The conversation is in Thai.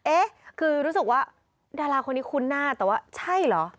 เอ๊ะคือรู้สึกว่าดาราคนนี้คุ้นหน้าแต่ว่าใช่เหรอ